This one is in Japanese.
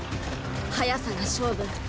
“早さ”が勝負。